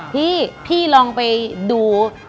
ที่พี่ลองไปดูซุปเปอร์สตาร์คนดังและหลายคน